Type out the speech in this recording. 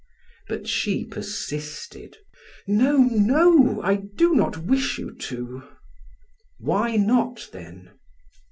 But she persisted: "No, no, I do not wish you to." "Why not, then?"